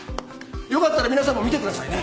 よかったら皆さんも見てくださいね。